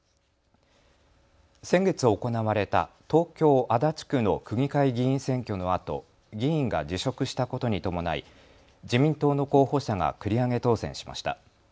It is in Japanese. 先月行われた東京足立区の区議会議員選挙のあと議員が辞職したことに伴い自民党の候補者が繰り上げ当選しました。